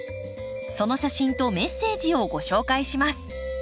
その写真とメッセージをご紹介します。